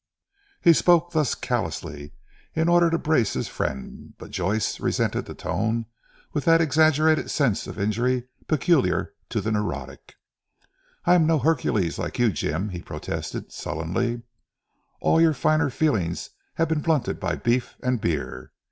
He spoke thus callously, in order to brace his friend; but Joyce resented the tone with that exaggerated sense of injury peculiar to the neurotic. "I am no Hercules like you Jim," he protested sullenly; "all your finer feelings have been blunted by beef and beer.